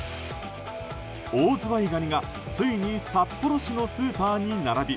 オオズワイガニがついに札幌市のスーパーに並び